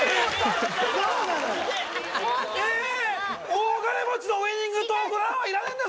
大金持ちのウイニングトークいらねえんだ！